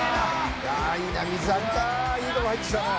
「いいとこ入ってきたな」